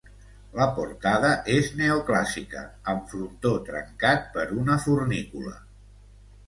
La portada és neoclàssica, amb frontó trencat per una fornícula.